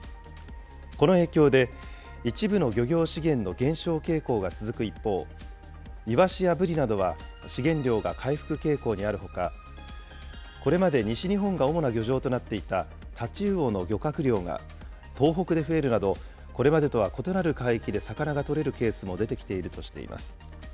この影響で、一部の漁業資源の減少傾向が続く一方、イワシやブリなどは、資源量が回復傾向にあるほか、これまで西日本が主な漁場となっていたタチウオの漁獲量が東北で増えるなど、これまでとは異なる海域で魚が取れるケースも出てきているとしています。